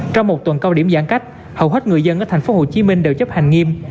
trong một tuần cao điểm giãn cách hầu hết người dân ở thành phố hồ chí minh đều chấp hành nghiêm